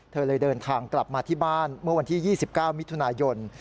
เธอเลยเดินทางกลับมาที่บ้านเมื่อวันที่๒๙มิถุนายน